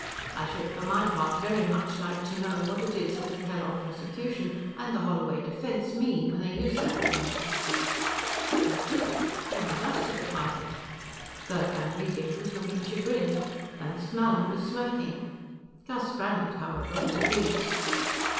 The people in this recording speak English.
I should, for my part, very much like to know what it is that the Kellogg prosecution and the Holloway defense mean when they use that term." That's it. They want us to define it. Gerd van Riebeek was looking chagrined; Ernst Mallin was smirking. Gus Brannhard, however, was pleased.